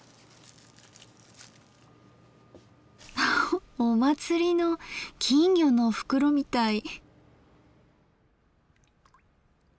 ハハお祭りの金魚の袋みたい。